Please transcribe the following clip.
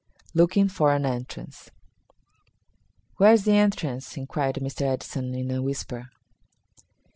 Looking for an Entrance. "Where is the entrance?" inquired Mr. Edison, in a whisper.